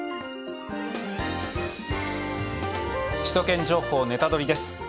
「首都圏情報ネタドリ！」です。